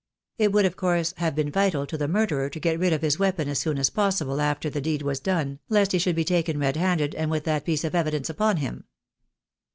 It would, of course, have been vital to the mur derer to get rid of his weapon as soon as possible after the deed was done, lest he should be taken red handed and with that piece of evidence upon him.